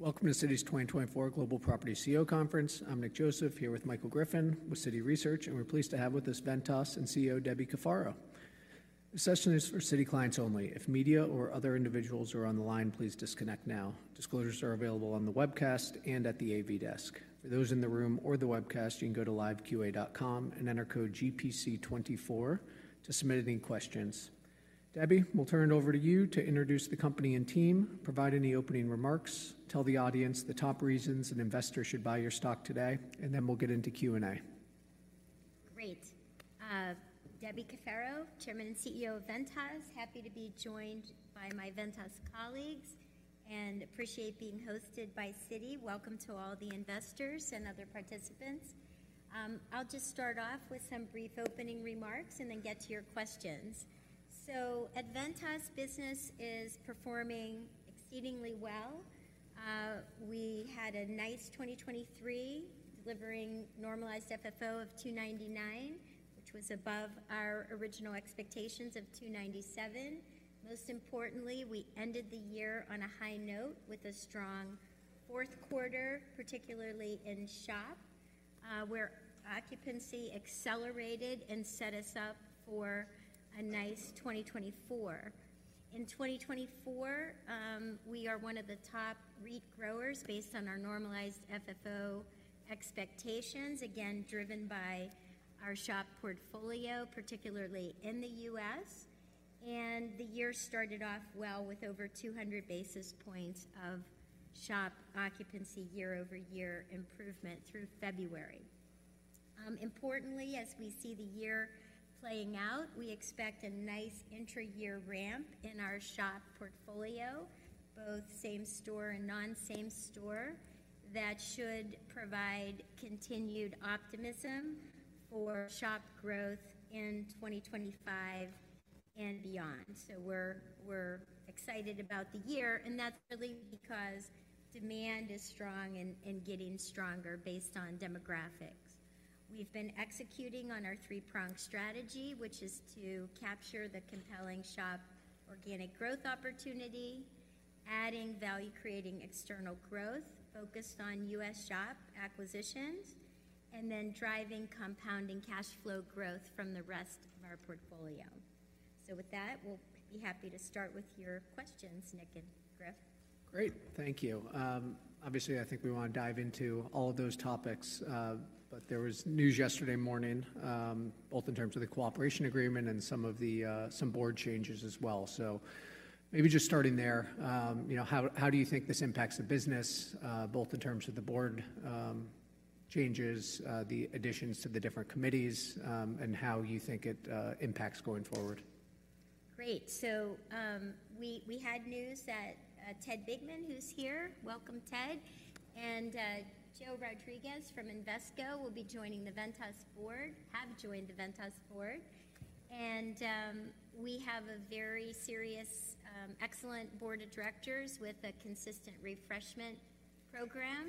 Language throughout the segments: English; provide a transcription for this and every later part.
Welcome to Citi's 2024 Global Property CEO Conference. I'm Nick Joseph, here with Michael Griffin with Citi Research, and we're pleased to have with us Ventas CEO Debbie Cafaro. This session is for Citi clients only. If media or other individuals are on the line, please disconnect now. Disclosures are available on the webcast and at the AV desk. For those in the room or the webcast, you can go to liveqa.com and enter code GPC24 to submit any questions. Debbie, we'll turn it over to you to introduce the company and team, provide any opening remarks, tell the audience the top reasons an investor should buy your stock today, and then we'll get into Q&A. Great. Debbie Cafaro, Chairman and CEO of Ventas. Happy to be joined by my Ventas colleagues, and appreciate being hosted by Citi. Welcome to all the investors and other participants. I'll just start off with some brief opening remarks and then get to your questions. So at Ventas, business is performing exceedingly well. We had a nice 2023, delivering normalized FFO of $2.99, which was above our original expectations of $2.97. Most importantly, we ended the year on a high note with a strong fourth quarter, particularly in SHOP, where occupancy accelerated and set us up for a nice 2024. In 2024, we are one of the top REIT growers based on our normalized FFO expectations, again driven by our SHOP portfolio, particularly in the U.S. And the year started off well with over 200 basis points of SHOP occupancy year-over-year improvement through February. Importantly, as we see the year playing out, we expect a nice intra-year ramp in our SHOP portfolio, both same-store and non-same-store, that should provide continued optimism for SHOP growth in 2025 and beyond. So we're excited about the year, and that's really because demand is strong and getting stronger based on demographics. We've been executing on our three-pronged strategy, which is to capture the compelling SHOP organic growth opportunity, adding value-creating external growth focused on U.S. SHOP acquisitions, and then driving compounding cash flow growth from the rest of our portfolio. So with that, we'll be happy to start with your questions, Nick and Griffin. Great. Thank you. Obviously, I think we want to dive into all of those topics, but there was news yesterday morning, both in terms of the cooperation agreement and some of the board changes as well. So maybe just starting there, you know, how do you think this impacts the business, both in terms of the board changes, the additions to the different committees, and how you think it impacts going forward? Great. So we had news that Ted Bigman, who's here, welcome, Ted, and Joe Rodriguez from Invesco will be joining the Ventas board, have joined the Ventas board. And we have a very serious, excellent board of directors with a consistent refreshment program.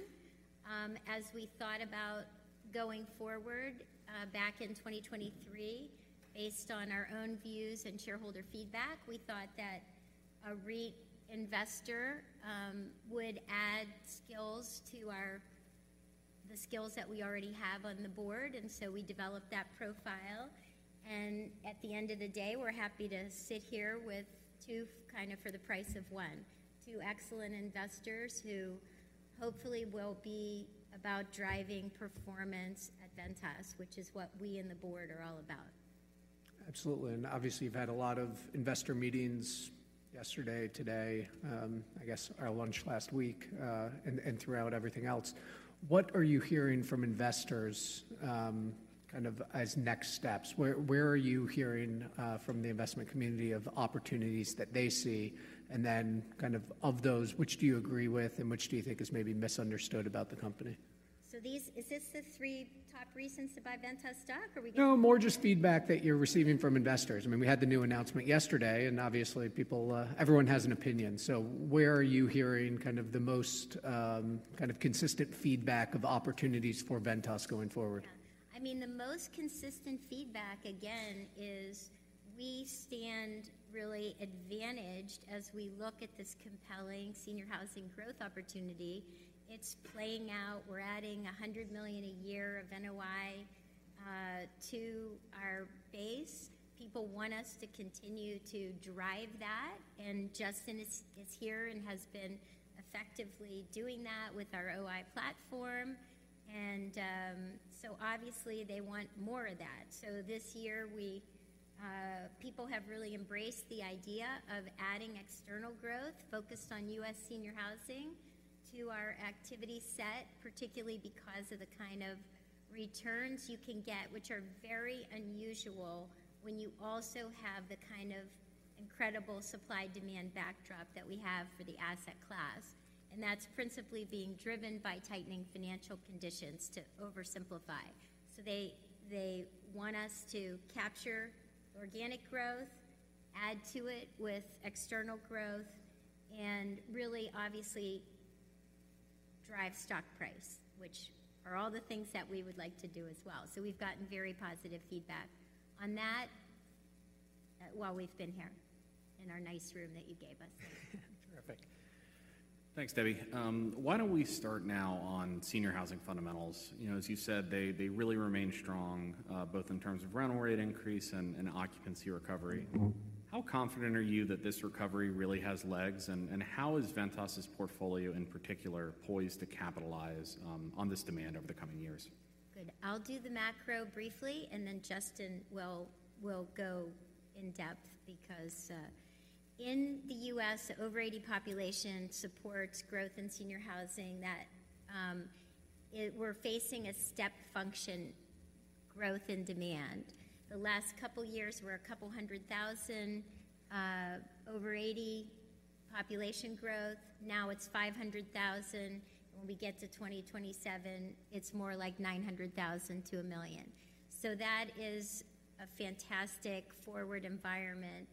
As we thought about going forward back in 2023, based on our own views and shareholder feedback, we thought that a REIT investor would add skills to the skills that we already have on the board, and so we developed that profile. And at the end of the day, we're happy to sit here with two kind of for the price of one, two excellent investors who hopefully will be about driving performance at Ventas, which is what we in the board are all about. Absolutely. And obviously, you've had a lot of investor meetings yesterday, today, I guess our lunch last week, and throughout everything else. What are you hearing from investors kind of as next steps? Where are you hearing from the investment community of opportunities that they see? And then kind of of those, which do you agree with and which do you think is maybe misunderstood about the company? So, is this the three top reasons to buy Ventas stock, or are we getting? No, more just feedback that you're receiving from investors. I mean, we had the new announcement yesterday, and obviously, people, everyone has an opinion. So where are you hearing kind of the most kind of consistent feedback of opportunities for Ventas going forward? Yeah. I mean, the most consistent feedback, again, is we stand really advantaged as we look at this compelling senior housing growth opportunity. It's playing out. We're adding $100 million a year of NOI to our base. People want us to continue to drive that. And Justin is here and has been effectively doing that with our OI platform. And so obviously, they want more of that. So this year, we people have really embraced the idea of adding external growth focused on U.S. senior housing to our activity set, particularly because of the kind of returns you can get, which are very unusual when you also have the kind of incredible supply-demand backdrop that we have for the asset class. And that's principally being driven by tightening financial conditions, to oversimplify. So they want us to capture organic growth, add to it with external growth, and really, obviously, drive stock price, which are all the things that we would like to do as well. So we've gotten very positive feedback on that while we've been here in our nice room that you gave us. Thank you, Debbie. Terrific. Thanks, Debbie. Why don't we start now on senior housing fundamentals? You know, as you said, they really remain strong, both in terms of rental rate increase and occupancy recovery. How confident are you that this recovery really has legs? And how is Ventas's portfolio, in particular, poised to capitalize on this demand over the coming years? Good. I'll do the macro briefly, and then Justin will go in-depth because in the U.S., over-80 population supports growth in senior housing. We're facing a step function growth in demand. The last couple of years, we're 200,000 over-80 population growth. Now it's 500,000. When we get to 2027, it's more like 900,000-1,000,000. So that is a fantastic forward environment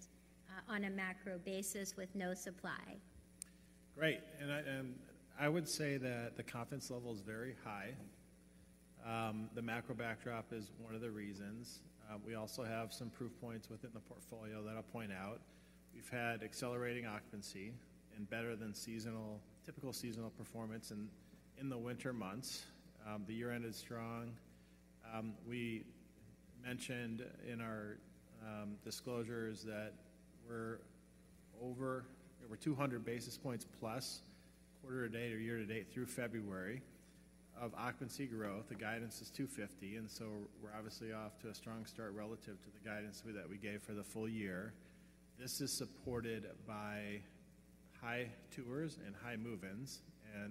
on a macro basis with no supply. Great. I would say that the confidence level is very high. The macro backdrop is one of the reasons. We also have some proof points within the portfolio that I'll point out. We've had accelerating occupancy and better than typical seasonal performance in the winter months. The year-end is strong. We mentioned in our disclosures that we're over 200 basis points plus quarter to date or year to date through February of occupancy growth. The guidance is 250. So we're obviously off to a strong start relative to the guidance that we gave for the full year. This is supported by high tours and high move-ins,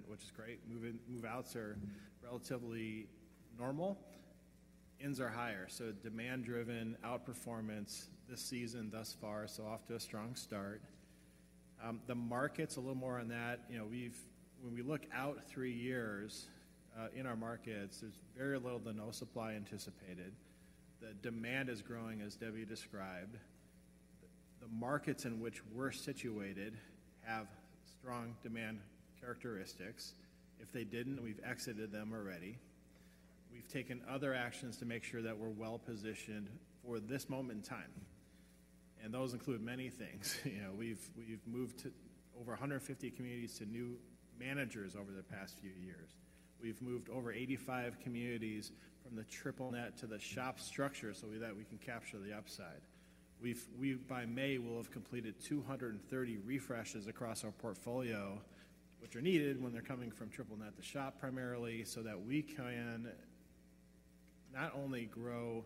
which is great. Move-outs are relatively normal. Ends are higher. So demand-driven outperformance this season thus far, so off to a strong start. The markets, a little more on that. You know, when we look out three years in our markets, there's very little to no supply anticipated. The demand is growing, as Debbie described. The markets in which we're situated have strong demand characteristics. If they didn't, we've exited them already. We've taken other actions to make sure that we're well-positioned for this moment in time. Those include many things. You know, we've moved over 150 communities to new managers over the past few years. We've moved over 85 communities from the triple-net to the SHOP structure so that we can capture the upside. We've by May will have completed 230 refreshes across our portfolio, which are needed when they're coming from triple-net to SHOP primarily, so that we can not only grow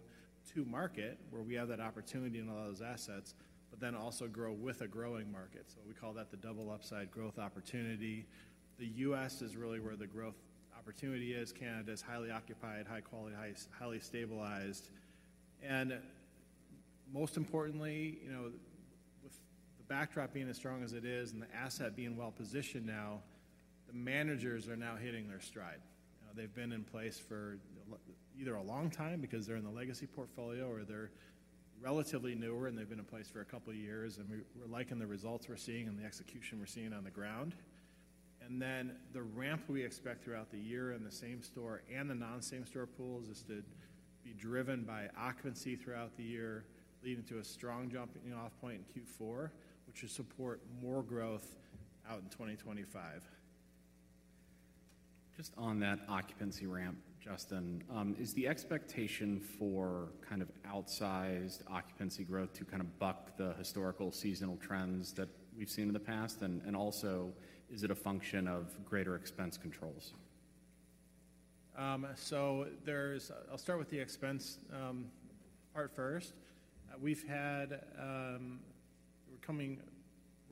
to market, where we have that opportunity in all those assets, but then also grow with a growing market. So we call that the double upside growth opportunity. The U.S. is really where the growth opportunity is. Canada is highly occupied, high quality, highly stabilized. And most importantly, you know, with the backdrop being as strong as it is and the asset being well-positioned now, the managers are now hitting their stride. You know, they've been in place for either a long time because they're in the legacy portfolio or they're relatively newer and they've been in place for a couple of years, and we're liking the results we're seeing and the execution we're seeing on the ground. And then the ramp we expect throughout the year in the same-store and the non-same-store pools is to be driven by occupancy throughout the year, leading to a strong jumping-off point in Q4, which should support more growth out in 2025. Just on that occupancy ramp, Justin, is the expectation for kind of outsized occupancy growth to kind of buck the historical seasonal trends that we've seen in the past? And also, is it a function of greater expense controls? So, I'll start with the expense part first. We've had; we're coming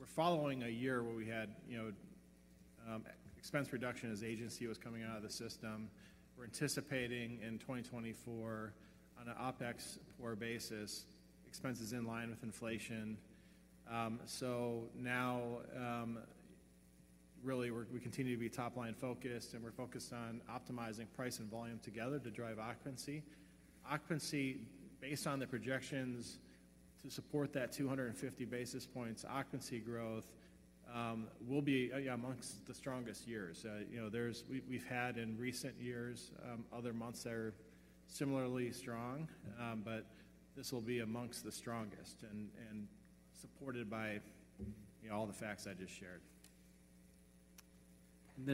off a year where we had, you know, expense reduction as agency was coming out of the system. We're anticipating in 2024, on an OpEx POR basis, expenses in line with inflation. So now, really, we continue to be top-line focused, and we're focused on optimizing price and volume together to drive occupancy. Occupancy, based on the projections to support that 250 basis points occupancy growth, will be, yeah, amongst the strongest years. You know, we've had in recent years other months that are similarly strong, but this will be amongst the strongest and supported by, you know, all the facts I just shared.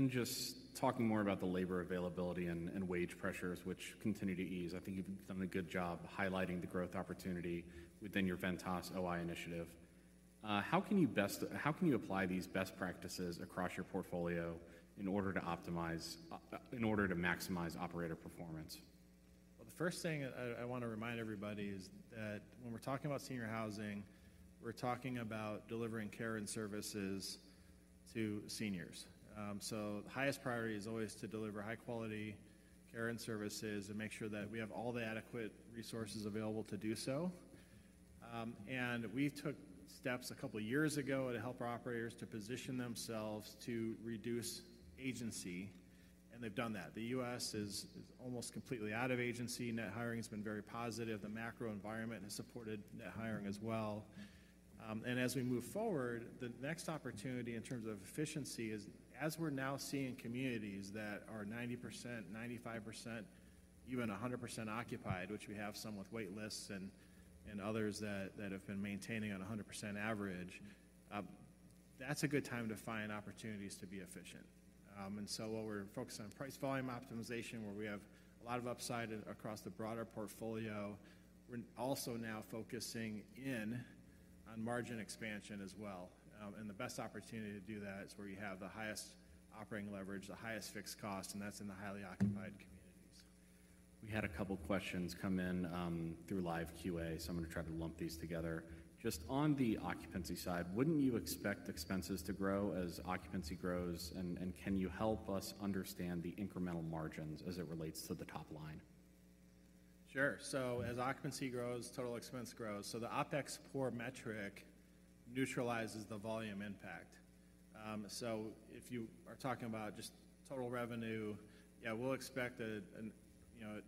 Just talking more about the labor availability and wage pressures, which continue to ease. I think you've done a good job highlighting the growth opportunity within your Ventas OI initiative. How can you best apply these best practices across your portfolio in order to optimize in order to maximize operator performance? Well, the first thing I want to remind everybody is that when we're talking about senior housing, we're talking about delivering care and services to seniors. So the highest priority is always to deliver high-quality care and services and make sure that we have all the adequate resources available to do so. And we took steps a couple of years ago to help our operators to position themselves to reduce agency, and they've done that. The U.S. is almost completely out of agency. Net hiring has been very positive. The macro environment has supported net hiring as well. As we move forward, the next opportunity in terms of efficiency is as we're now seeing communities that are 90%, 95%, even 100% occupied, which we have some with wait lists and others that have been maintaining on 100% average, that's a good time to find opportunities to be efficient. And so while we're focused on price volume optimization, where we have a lot of upside across the broader portfolio, we're also now focusing in on margin expansion as well. And the best opportunity to do that is where you have the highest operating leverage, the highest fixed cost, and that's in the highly occupied communities. We had a couple of questions come in through live QA, so I'm going to try to lump these together. Just on the occupancy side, wouldn't you expect expenses to grow as occupancy grows? And can you help us understand the incremental margins as it relates to the top line? Sure. So as occupancy grows, total expense grows. So the OpEx POR metric neutralizes the volume impact. So if you are talking about just total revenue, yeah, we'll expect a, you know,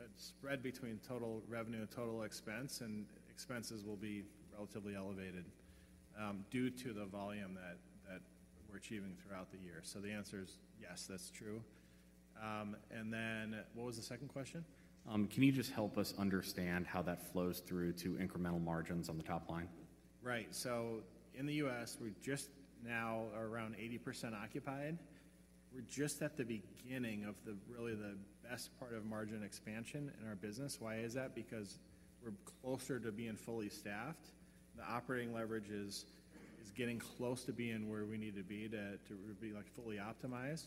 a spread between total revenue and total expense, and expenses will be relatively elevated due to the volume that we're achieving throughout the year. So the answer is yes, that's true. And then what was the second question? Can you just help us understand how that flows through to incremental margins on the top line? Right. So in the U.S., we're just now around 80% occupied. We're just at the beginning of the really the best part of margin expansion in our business. Why is that? Because we're closer to being fully staffed. The operating leverage is getting close to being where we need to be to be, like, fully optimized.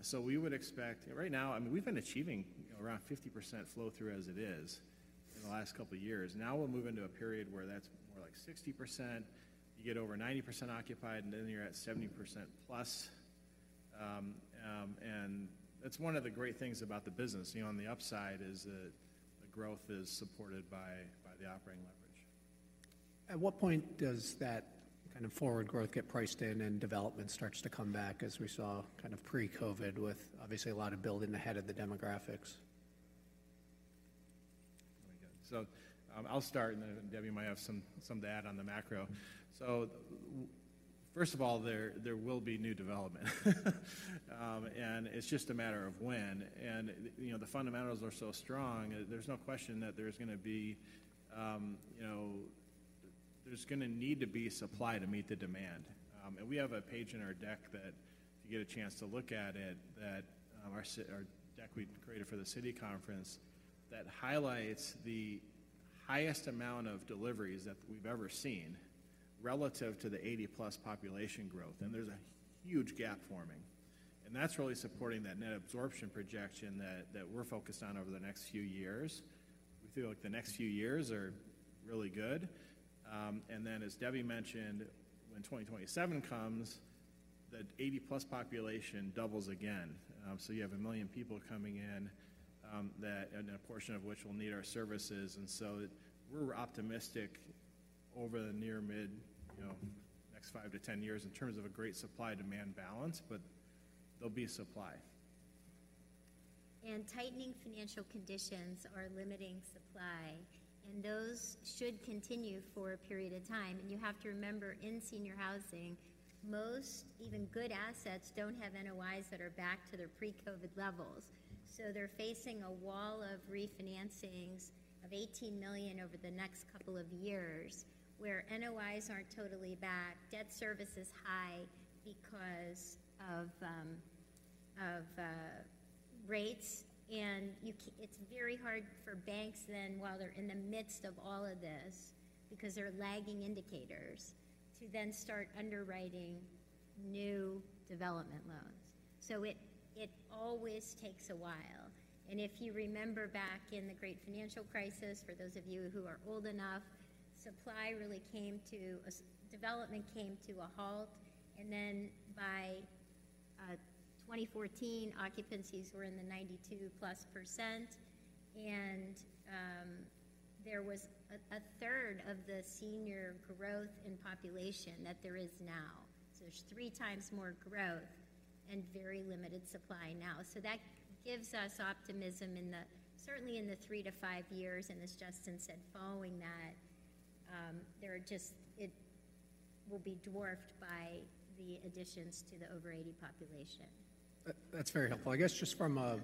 So we would expect right now, I mean, we've been achieving, you know, around 50% flow-through as it is in the last couple of years. Now we'll move into a period where that's more like 60%. You get over 90% occupied, and then you're at 70%+. And that's one of the great things about the business, you know, on the upside is that the growth is supported by the operating leverage. At what point does that kind of forward growth get priced in and development starts to come back, as we saw kind of pre-COVID with obviously a lot of building ahead of the demographics? Oh, my God. So I'll start, and then Debbie might have some to add on the macro. So first of all, there will be new development, and it's just a matter of when. And, you know, the fundamentals are so strong, there's no question that there's going to be, you know there's going to need to be supply to meet the demand. And we have a page in our deck that if you get a chance to look at it, that our deck we created for the Citi Conference, that highlights the highest amount of deliveries that we've ever seen relative to the 80+ population growth. And there's a huge gap forming. And that's really supporting that net absorption projection that we're focused on over the next few years. We feel like the next few years are really good. And then, as Debbie mentioned, when 2027 comes, the 80+ population doubles again. So you have 1 million people coming in that and a portion of which will need our services. And so we're optimistic over the near, mid, you know, next five to 10 years in terms of a great supply-demand balance, but there'll be supply. Tightening financial conditions are limiting supply, and those should continue for a period of time. You have to remember, in senior housing, most even good assets don't have NOIs that are back to their pre-COVID levels. So they're facing a wall of refinancings of $18 million over the next couple of years, where NOIs aren't totally back, debt service is high because of rates, and it's very hard for banks then, while they're in the midst of all of this because they're lagging indicators, to then start underwriting new development loans. So it always takes a while. If you remember back in the Great Financial Crisis, for those of you who are old enough, supply really came to a halt. Development came to a halt. And then by 2014, occupancies were in the 92+%, and there was a third of the senior growth in population that there is now. So there's 3x more growth and very limited supply now. So that gives us optimism, certainly, in the three to five years. And as Justin said, following that, there are just it will be dwarfed by the additions to the over-80 population. That's very helpful. I guess just from a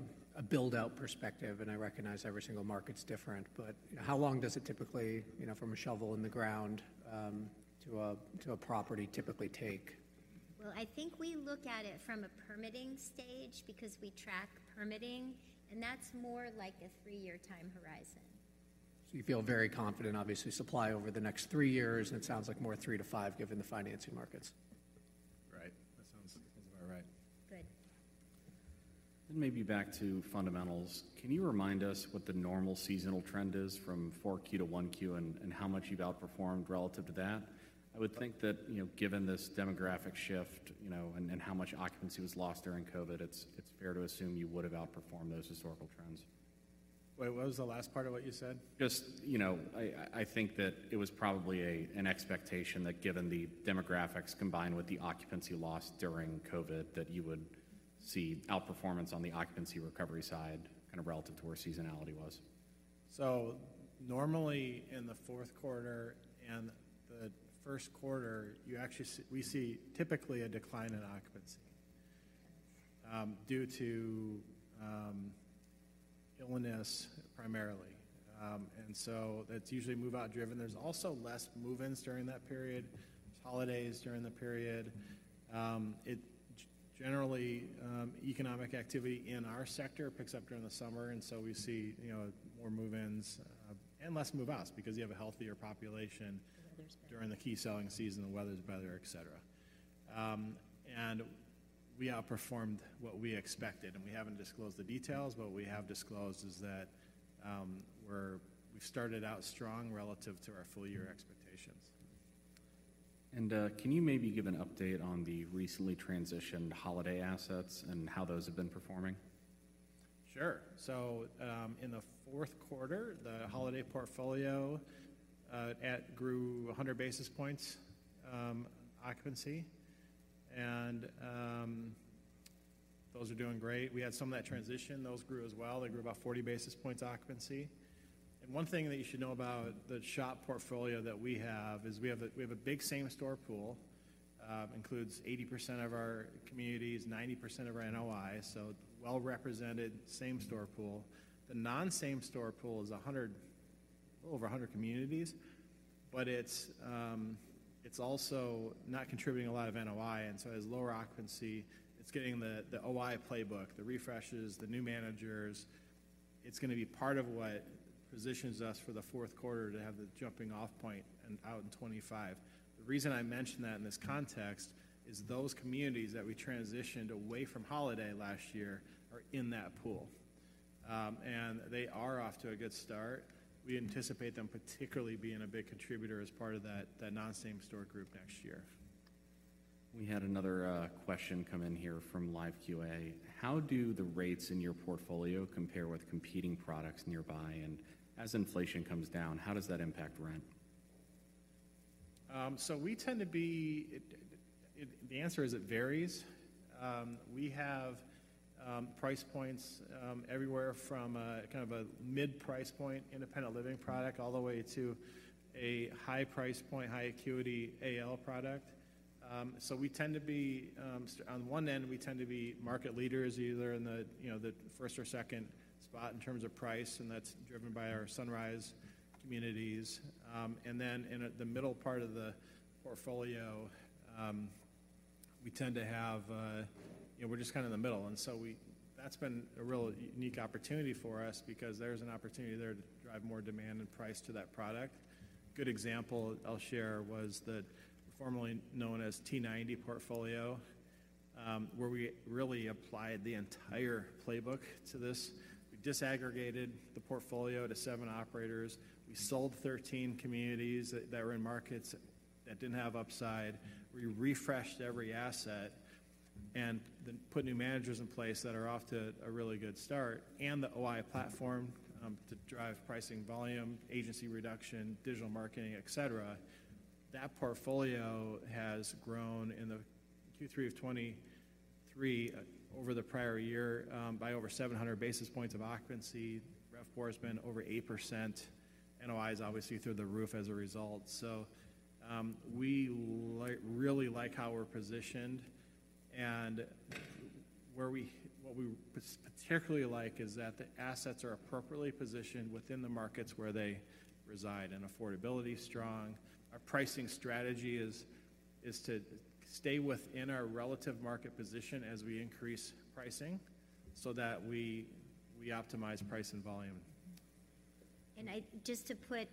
build-out perspective, and I recognize every single market's different, but how long does it typically, you know, from a shovel in the ground to a property typically take? Well, I think we look at it from a permitting stage because we track permitting, and that's more like a three year time horizon. So you feel very confident, obviously, supply over the next three years, and it sounds like more three to five, given the financing markets. Right. That sounds about right. Good. Maybe back to fundamentals. Can you remind us what the normal seasonal trend is from 4Q-1Q and how much you've outperformed relative to that? I would think that, you know, given this demographic shift, you know, and how much occupancy was lost during COVID, it's fair to assume you would have outperformed those historical trends. What was the last part of what you said? Just, you know, I think that it was probably an expectation that, given the demographics combined with the occupancy loss during COVID, that you would see outperformance on the occupancy recovery side kind of relative to where seasonality was. So normally, in the fourth quarter and the first quarter, actually we see typically a decline in occupancy due to illness primarily. So that's usually move-out driven. There's also less move-ins during that period. There's holidays during the period. Generally, economic activity in our sector picks up during the summer, and so we see, you know, more move-ins and less move-outs because you have a healthier population. The weather's better. During the key selling season, the weather's better, et cetera. We outperformed what we expected, and we haven't disclosed the details, but what we have disclosed is that we've started out strong relative to our full-year expectations. Can you maybe give an update on the recently transitioned Holiday assets and how those have been performing? Sure. So in the fourth quarter, the Holiday portfolio that grew 100 basis points occupancy, and those are doing great. We had some of that transition. Those grew as well. They grew about 40 basis points occupancy. And one thing that you should know about the SHOP portfolio that we have is we have a big same-store pool, includes 80% of our communities, 90% of our NOI, so well-represented same-store pool. The non-same-store pool is a little over 100 communities, but it's also not contributing a lot of NOI. And so it has lower occupancy. It's getting the OI playbook, the refreshes, the new managers. It's going to be part of what positions us for the fourth quarter to have the jumping-off point and out in 2025. The reason I mention that in this context is those communities that we transitioned away from Holiday last year are in that pool, and they are off to a good start. We anticipate them particularly being a big contributor as part of that non-same-store group next year. We had another question come in here from live QA. How do the rates in your portfolio compare with competing products nearby? And as inflation comes down, how does that impact rent? So, the answer is it varies. We have price points everywhere from kind of a mid-price point independent living product all the way to a high-price point, high-acuity AL product. So we tend to be on one end, we tend to be market leaders either in the, you know, the first or second spot in terms of price, and that's driven by our Sunrise communities. And then in the middle part of the portfolio, we tend to have you know, we're just kind of in the middle. And so that's been a real unique opportunity for us because there's an opportunity there to drive more demand and price to that product. A good example I'll share was the formerly known as T90 portfolio, where we really applied the entire playbook to this. We disaggregated the portfolio to seven operators. We sold 13 communities that were in markets that didn't have upside. We refreshed every asset and put new managers in place that are off to a really good start and the OI platform to drive pricing volume, agency reduction, digital marketing, et cetera. That portfolio has grown in the Q3 of 2023 over the prior year by over 700 basis points of occupancy. RevPOR has been over 8%. NOI is obviously through the roof as a result. So we really like how we're positioned. And what we particularly like is that the assets are appropriately positioned within the markets where they reside and affordability strong. Our pricing strategy is to stay within our relative market position as we increase pricing so that we optimize price and volume. I just to put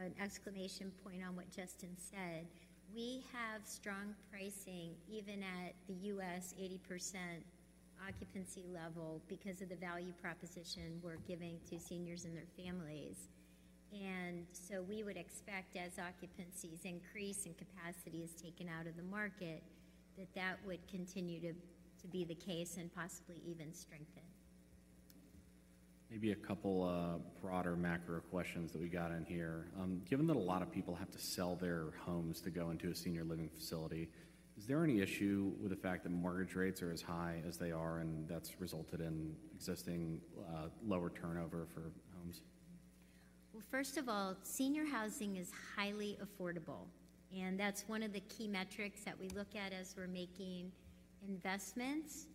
an exclamation point on what Justin said, we have strong pricing even at the U.S. 80% occupancy level because of the value proposition we're giving to seniors and their families. So we would expect, as occupancies increase and capacity is taken out of the market, that that would continue to be the case and possibly even strengthen. Maybe a couple broader macro questions that we got in here. Given that a lot of people have to sell their homes to go into a senior living facility, is there any issue with the fact that mortgage rates are as high as they are, and that's resulted in existing lower turnover for homes? Well, first of all, senior housing is highly affordable, and that's one of the key metrics that we look at as we're making investments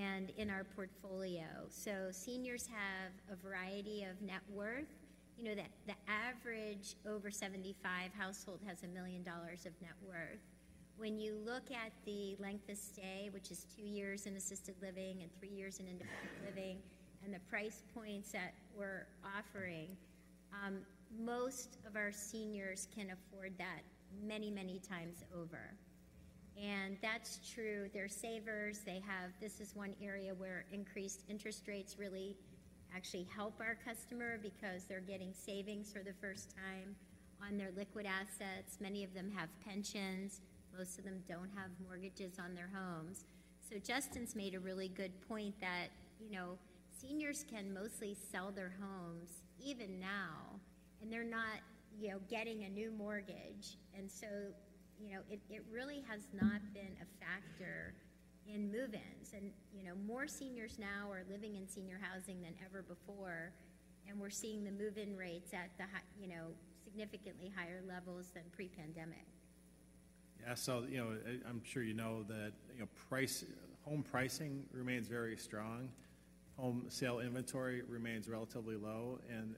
and in our portfolio. So seniors have a variety of net worth. You know, the average over-75 household has $1 million of net worth. When you look at the length of stay, which is two years in Assisted Living and three years in Independent Living and the price points that we're offering, most of our seniors can afford that many, many times over. And that's true. They're savers. They have. This is one area where increased interest rates really actually help our customer because they're getting savings for the first time on their liquid assets. Many of them have pensions. Most of them don't have mortgages on their homes. So Justin's made a really good point that, you know, seniors can mostly sell their homes even now, and they're not, you know, getting a new mortgage. And so, you know, it really has not been a factor in move-ins. And, you know, more seniors now are living in senior housing than ever before, and we're seeing the move-in rates at the, you know, significantly higher levels than pre-pandemic. Yeah. So, you know, I'm sure you know that, you know, home pricing remains very strong. Home sale inventory remains relatively low. And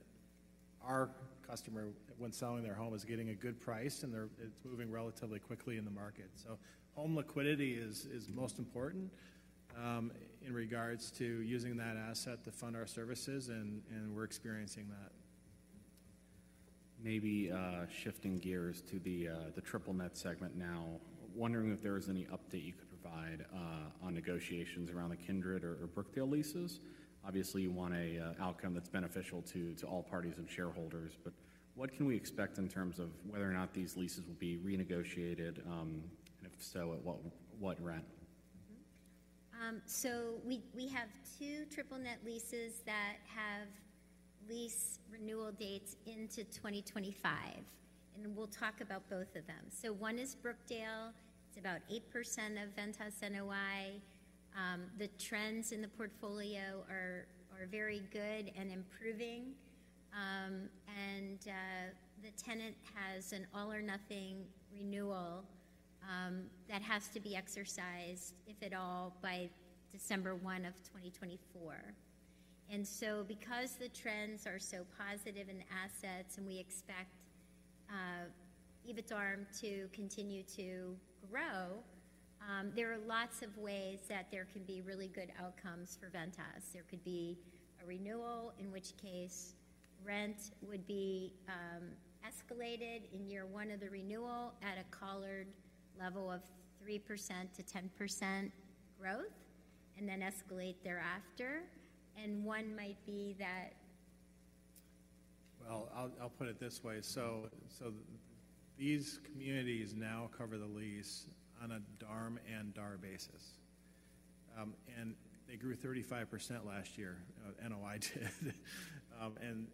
our customer, when selling their home, is getting a good price, and it is moving relatively quickly in the market. So home liquidity is most important in regards to using that asset to fund our services, and we're experiencing that. Maybe shifting gears to the triple-net segment now, wondering if there is any update you could provide on negotiations around the Kindred or Brookdale leases. Obviously, you want an outcome that's beneficial to all parties and shareholders, but what can we expect in terms of whether or not these leases will be renegotiated? And if so, at what rent? So we have two triple-net leases that have lease renewal dates into 2025, and we'll talk about both of them. So one is Brookdale. It's about 8% of Ventas NOI. The trends in the portfolio are very good and improving. And the tenant has an all-or-nothing renewal that has to be exercised, if at all, by December 1 of 2024. And so because the trends are so positive in the assets and we expect EBITDARM to continue to grow, there are lots of ways that there can be really good outcomes for Ventas. There could be a renewal, in which case rent would be escalated in year one of the renewal at a collared level of 3%-10% growth and then escalate thereafter. And one might be that. Well, I'll put it this way. So these communities now cover the lease on an EBITDARM and EBITDAR basis, and they grew 35% last year. NOI did. And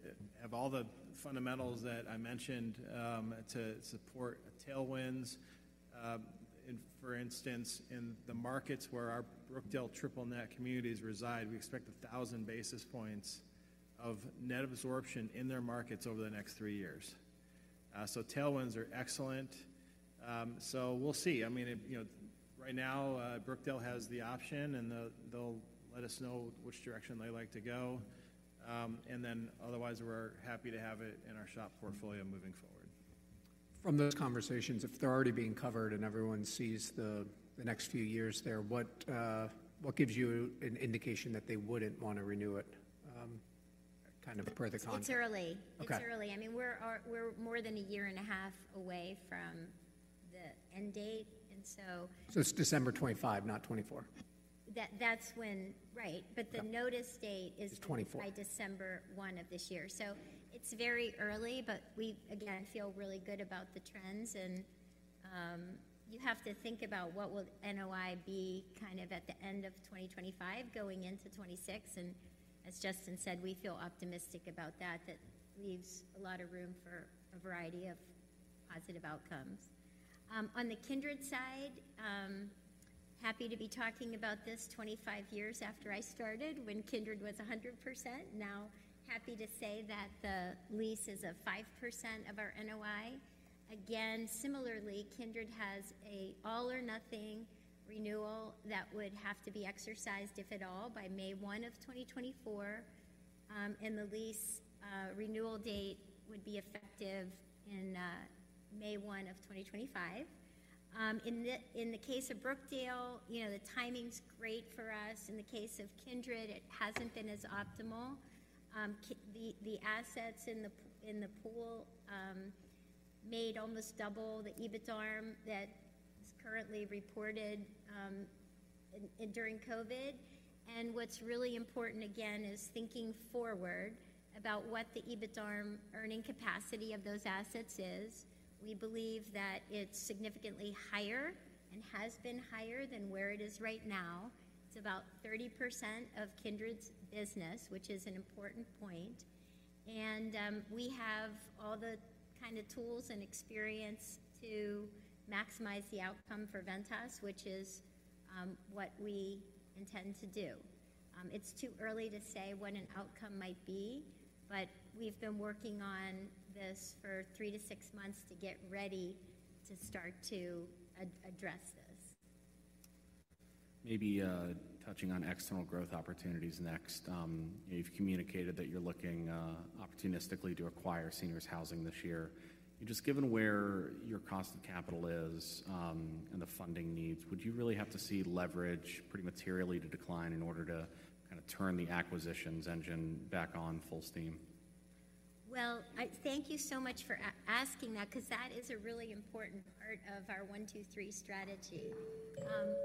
of all the fundamentals that I mentioned to support tailwinds, for instance, in the markets where our Brookdale triple-net communities reside, we expect 1,000 basis points of net absorption in their markets over the next three years. So tailwinds are excellent. So we'll see. I mean, you know, right now, Brookdale has the option, and they'll let us know which direction they like to go. And then otherwise, we're happy to have it in our SHOP portfolio moving forward. From those conversations, if they're already being covered and everyone sees the next few years there, what gives you an indication that they wouldn't want to renew it, kind of per the context? It's early. It's early. Okay. I mean, we're more than a year and a half away from the end date. And so. So it's December 2025, not 2024? That's when, right? But the notice date is. 2024. By December 1 of this year. So it's very early, but we, again, feel really good about the trends. And you have to think about what will NOI be kind of at the end of 2025 going into 2026. And as Justin said, we feel optimistic about that. That leaves a lot of room for a variety of positive outcomes. On the Kindred side, happy to be talking about this 25 years after I started when Kindred was 100%. Now happy to say that the lease is a 5% of our NOI. Again, similarly, Kindred has an all-or-nothing renewal that would have to be exercised, if at all, by May 1, 2024. And the lease renewal date would be effective in May 1, 2025. In the case of Brookdale, you know, the timing's great for us. In the case of Kindred, it hasn't been as optimal. The assets in the pool made almost double the EBITDARM that is currently reported during COVID. What's really important, again, is thinking forward about what the EBITDARM earning capacity of those assets is. We believe that it's significantly higher and has been higher than where it is right now. It's about 30% of Kindred's business, which is an important point. We have all the kind of tools and experience to maximize the outcome for Ventas, which is what we intend to do. It's too early to say what an outcome might be, but we've been working on this for three to six months to get ready to start to address this. Maybe touching on external growth opportunities next. You've communicated that you're looking opportunistically to acquire seniors' housing this year. Just given where your cost of capital is and the funding needs, would you really have to see leverage pretty materially decline in order to kind of turn the acquisitions engine back on full steam? Well, thank you so much for asking that because that is a really important part of our one, two, three strategy.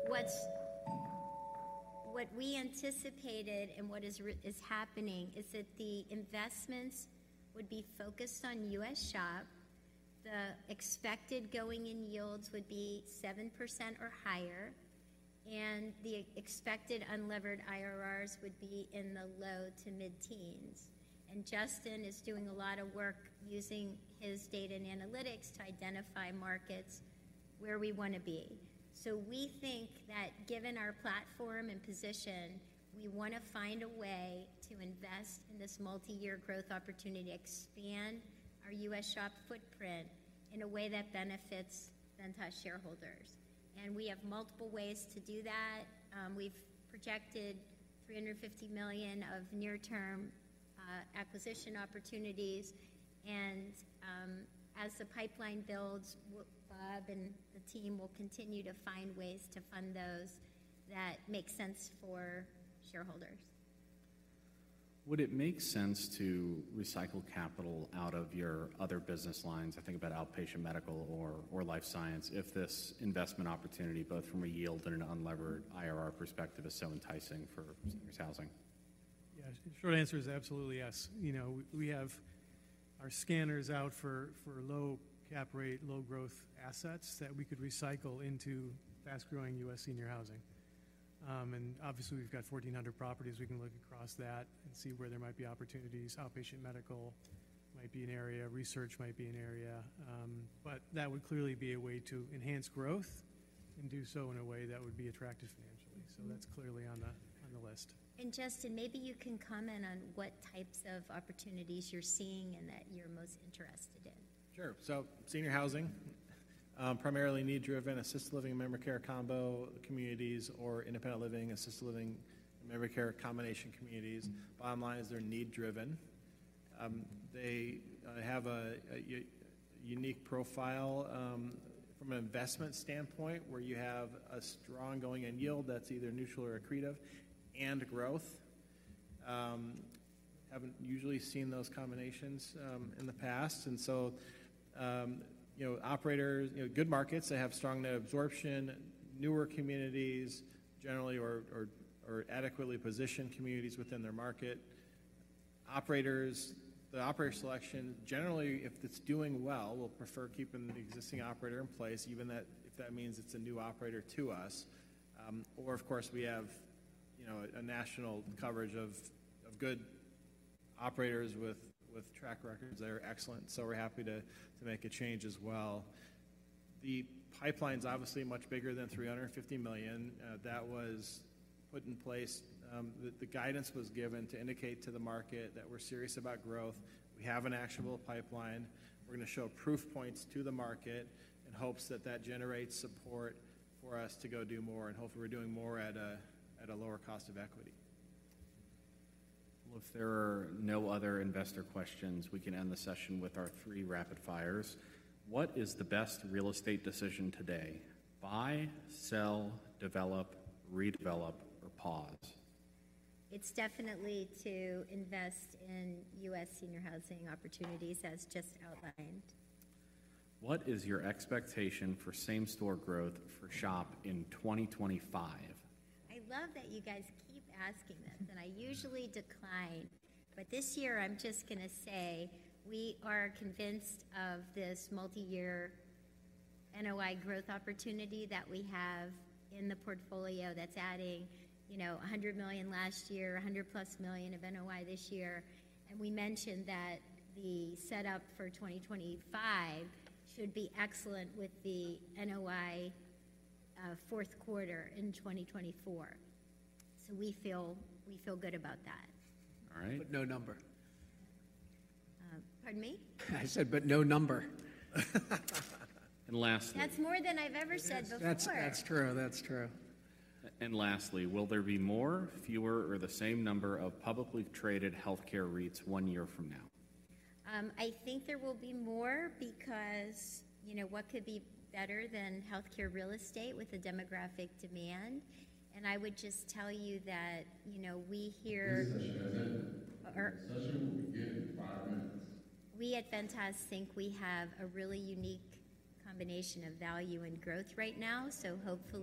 What we anticipated and what is happening is that the investments would be focused on U.S. SHOP. The expected going-in yields would be 7% or higher, and the expected unlevered IRRs would be in the low to mid-teens. And Justin is doing a lot of work using his data and analytics to identify markets where we want to be. So we think that, given our platform and position, we want to find a way to invest in this multiyear growth opportunity, expand our U.S. SHOP footprint in a way that benefits Ventas shareholders. And we have multiple ways to do that. We've projected $350 million of near-term acquisition opportunities. As the pipeline builds, Bob and the team will continue to find ways to fund those that make sense for shareholders. Would it make sense to recycle capital out of your other business lines? I think about outpatient medical or life science, if this investment opportunity, both from a yield and an unlevered IRR perspective, is so enticing for seniors' housing? Yeah. Short answer is absolutely yes. You know, we have our scanners out for low cap rate, low growth assets that we could recycle into fast-growing U.S. senior housing. And obviously, we've got 1,400 properties. We can look across that and see where there might be opportunities. Outpatient medical might be an area. Research might be an area. But that would clearly be a way to enhance growth and do so in a way that would be attractive financially. So that's clearly on the list. Justin, maybe you can comment on what types of opportunities you're seeing and that you're most interested in. Sure. So senior housing, primarily need-driven, assisted living and memory care combo communities or independent living, assisted living and memory care combination communities. Bottom line is they're need-driven. They have a unique profile from an investment standpoint where you have a strong going-in yield that's either neutral or accretive and growth. Haven't usually seen those combinations in the past. And so, you know, operators, you know, good markets. They have strong net absorption. Newer communities, generally, or adequately positioned communities within their market. Operators, the operator selection, generally, if it's doing well, we'll prefer keeping the existing operator in place, even if that means it's a new operator to us. Or, of course, we have, you know, a national coverage of good operators with track records that are excellent. So we're happy to make a change as well. The pipeline's obviously much bigger than $350 million. That was put in place. The guidance was given to indicate to the market that we're serious about growth. We have an actionable pipeline. We're going to show proof points to the market in hopes that that generates support for us to go do more and hopefully we're doing more at a lower cost of equity. Well, if there are no other investor questions, we can end the session with our three rapid fires. What is the best real estate decision today: buy, sell, develop, redevelop, or pause? It's definitely to invest in U.S. senior housing opportunities, as just outlined. What is your expectation for same-store growth for SHOP in 2025? I love that you guys keep asking this, and I usually decline. But this year, I'm just going to say we are convinced of this multiyear NOI growth opportunity that we have in the portfolio that's adding, you know, $100 million last year, $100+ million of NOI this year. And we mentioned that the setup for 2025 should be excellent with the NOI fourth quarter in 2024. So we feel good about that. All right. But no number. Pardon me? I said, but no number. And lastly. That's more than I've ever said before. That's true. That's true. And lastly, will there be more, fewer, or the same number of publicly traded healthcare REITs one year from now? I think there will be more because, you know, what could be better than healthcare real estate with a demographic demand? And I would just tell you that, you know, we hear. New session ended. The session will begin in five minutes. We at Ventas think we have a really unique combination of value and growth right now. So hopefully.